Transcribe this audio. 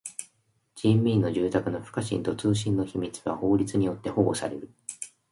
人民の住宅の不可侵と通信の秘密は法律によって保護される。